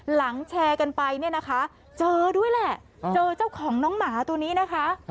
หลังแชร์กันไปเจอด้วยแหละเจอเจ้าของน้องหมาตัวนี้นะคะ